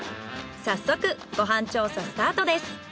早速ご飯調査スタートです。